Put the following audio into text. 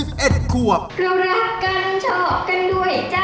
เพราะรักกันชอบกันด้วยใจ